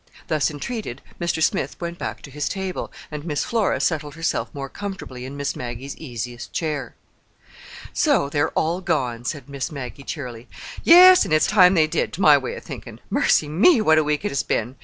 Thus entreated, Mr. Smith went back to his table, and Miss Flora settled herself more comfortably in Miss Maggie's easiest chair. "So they're all gone," said Miss Maggie cheerily. "Yes; an' it's time they did, to my way of thinkin'. Mercy me, what a week it has been!